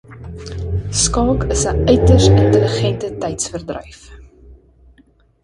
Skaak is 'n uiters intellegente tydsverdruif.